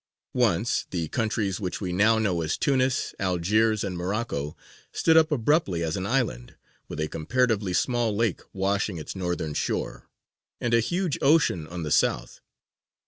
Once the countries, which we now know as Tunis, Algiers, and Morocco, stood up abruptly as an island, with a comparatively small lake washing its northern shore, and a huge ocean on the south (see the map).